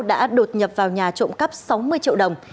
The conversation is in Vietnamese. đã đột nhập vào nhà trộm cắp sáu mươi triệu đồng